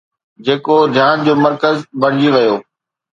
جيڪو ڌيان جو مرڪز بڻجي ويو